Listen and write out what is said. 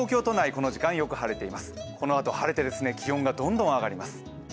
このあと晴れて気温がどんどん上がります。